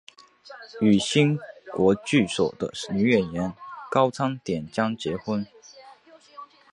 与新国剧所的女演员高仓典江结婚。